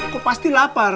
kok pasti lapar